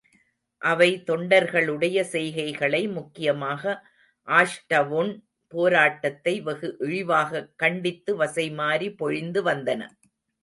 அவை தொண்டர்களுடைய செய்கைகளை, முக்கியமாக ஆஷ்டவுன் போராட்டத்தை வெகு இழிவாகக் கண்டித்து வசை மாரி பொழிந்துவந்தன.